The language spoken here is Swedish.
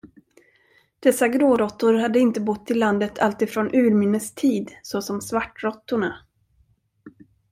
Dessa gråråttor hade inte bott i landet alltifrån urminnes tid såsom svartråttorna.